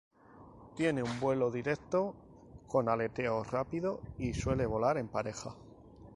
Tiene un vuelo directo con aleteo rápido, y suele volar en pareja.